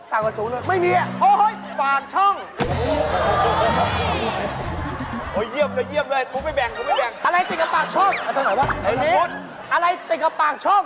อะไรต่างกว่าคอราช